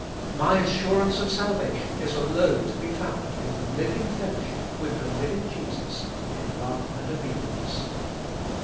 My assurance of salvation is alone to be found in the living fellowship with the living Jesus in love and obedience.